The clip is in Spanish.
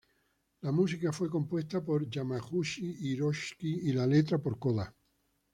La música fue compuesta por Yamaguchi Hiroshi y la letra por Koda.